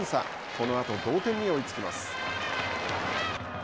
このあと、同点に追いつきます。